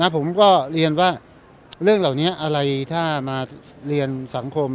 ผมก็เรียนว่าเรื่องเหล่านี้อะไรถ้ามาเรียนสังคม